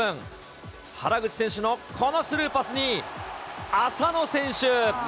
原口選手のこのスルーパスに、浅野選手。